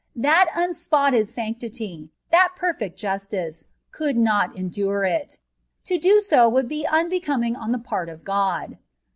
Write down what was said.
That unspot ted sanctity, that perfect justice, could not endure it ; to do so vrould be unbecomìng on the part of God.